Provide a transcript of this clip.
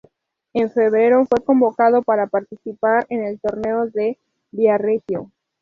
En febrero fue convocado para participar en el Torneo de Viareggio.